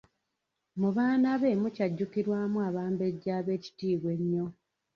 Mu baana be mukyajjukirwamu Abambejja ab'ekitiibwa ennyo.